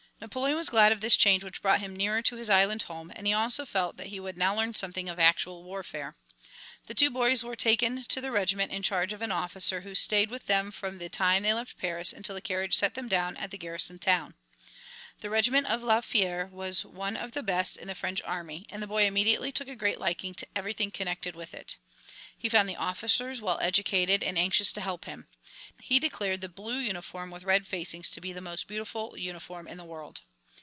Napoleon was glad of this change which brought him nearer to his island home, and he also felt that he would now learn something of actual warfare. The two boys were taken to their regiment in charge of an officer who stayed with them from the time they left Paris until the carriage set them down at the garrison town. The regiment of La Fère was one of the best in the French army, and the boy immediately took a great liking to everything connected with it. He found the officers well educated and anxious to help him. He declared the blue uniform with red facings to be the most beautiful uniform in the world.